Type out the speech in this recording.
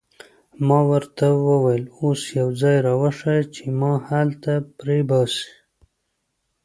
ما ورته وویل: اوس یو ځای را وښیه چې ما هلته پرېباسي.